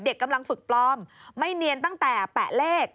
กำลังฝึกปลอมไม่เนียนตั้งแต่แปะเลข